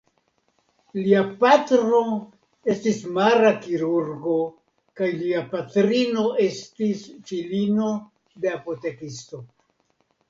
Lia patro estis mara kirurgo kaj lia patrino estis filino de apotekisto.